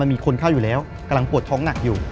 มีคนเข้าอยู่แล้วกำลังปวดท้องหนักอยู่